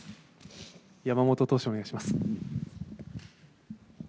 山本投手、お願いします。